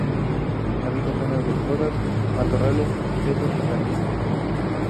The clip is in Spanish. Habita zonas boscosas, matorrales espesos y jardines.